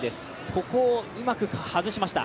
ここをうまく外しました。